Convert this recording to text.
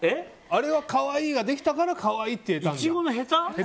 あれは可愛いができたから可愛いって言えたの。